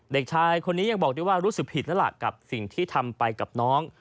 เด็กชายคนนี้ยังบอกได้ว่ารู้สึกผิดแล้วล่ะกับสิ่งที่ทำไปกับน้อง